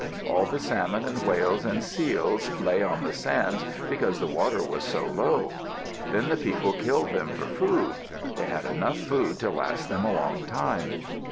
All the salmon, and whales, and seals lay on the sands because the water was so low. Then the people killed them for food. They had enough food to last them a long time.